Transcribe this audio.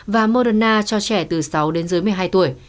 và moderna cho trẻ từ sáu đến dưới một mươi hai tuổi